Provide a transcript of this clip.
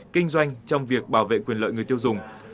kinh doanh trong việc bảo vệ quyền lợi người tiêu dùng